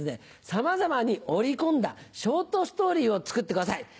さまざまに織り込んだショートストーリーを作ってください。